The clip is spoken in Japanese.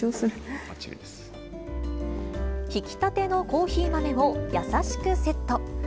ひきたてのコーヒー豆を優しくセット。